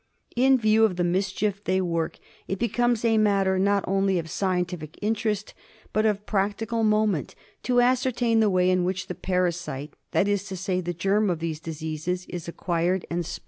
In view of the mischief they work it becomes a matter, not only of scientific interest, but of practi cal moment, to ascertain the way in which the parasite, that is to say the germ qf these diseases, is acquired and spread.